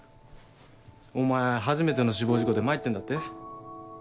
お前初めての死亡事故で参ってんだって？